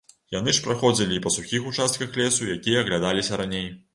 Яны ж праходзілі і па сухіх участках лесу, якія аглядаліся раней.